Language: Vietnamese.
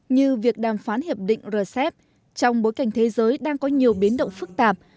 như việc đàm phán hiệp định rcep trong bối cảnh thế giới đang có nhiều biến động phức tạp